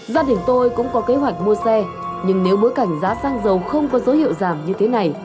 gia đình tôi cũng có kế hoạch mua xe nhưng nếu bối cảnh giá xăng dầu không có dấu hiệu giảm như thế này